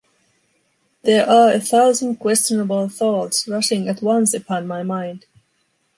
There are a thousand questionable thoughts rushing at once upon my mind.